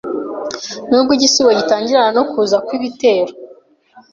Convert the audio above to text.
Nubwo igisigo gitangirana no kuza kwibitero